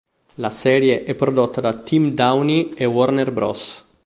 La serie è prodotta da Team Downey e Warner Bros.